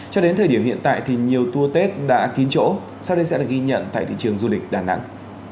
cho đến thời điểm hiện tại thì nhiều tour tết đã kín chỗ sau đây sẽ là ghi nhận tại thị trường du lịch đà nẵng